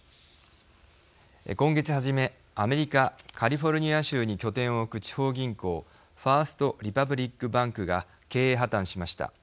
今月初め、アメリカカリフォルニア州に拠点を置く地方銀行ファースト・リパブリック・バンクが経営破綻しました。